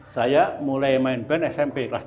saya mulai main band smp kelas tiga